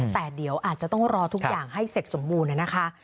แต่เดี๋ยวอาจจะต้องรอทุกอย่างให้เสร็จสมบูรณ์นะคะ